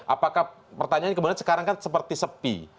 apakah pertanyaan kebenaran sekarang kan seperti sepi